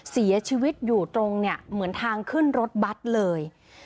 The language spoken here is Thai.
เสียชีวิตอยู่ตรงเนี่ยเหมือนทางขึ้นรถบัตรเลย